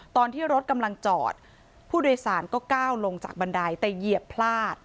ตอนที่รถกำลังจอดผู้โดยสารก็ก้าวลงจากบันไดแต่เหยียบพลาด